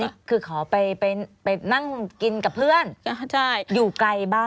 อันนี้คือขอไปนั่งกินกับเพื่อนอยู่ไกลบ้านไหมครับ